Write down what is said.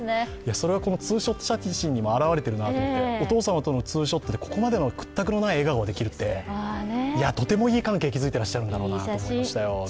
それはツーショット写真にも表れているなと思ってお父様とのツーショットでここまでくったくのない笑顔ができるって、とてもいい関係築いていらっしゃるんだろうなと思いましたよね。